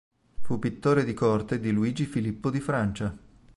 Fu pittore di corte di Luigi Filippo di Francia.